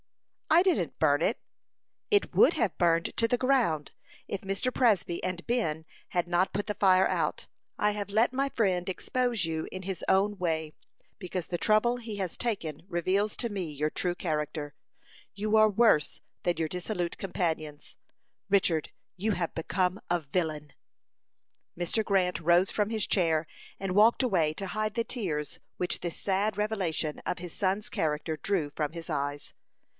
"I didn't burn it." "It would have burned to the ground, if Mr. Presby and Ben had not put the fire out. I have let my friend expose you in his own way, because the trouble he has taken reveals to me your true character. You are worse than your dissolute companions. Richard, you have become a villain!" Mr. Grant rose from his chair and walked away to hide the tears which this sad revelation of his son's character drew from his eyes.